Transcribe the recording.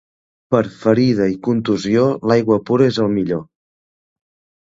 Per ferida i contusió, l'aigua pura és el millor.